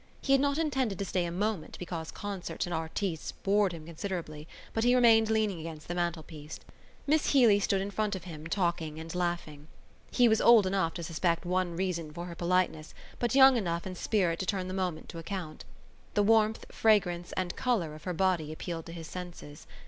He had not intended to stay a moment because concerts and artistes bored him considerably but he remained leaning against the mantelpiece. Miss Healy stood in front of him, talking and laughing. He was old enough to suspect one reason for her politeness but young enough in spirit to turn the moment to account. The warmth, fragrance and colour of her body appealed to his senses.